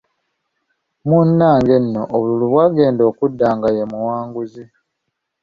Munnange nno, obululu bwagenda okuda nga ye muwanguzi.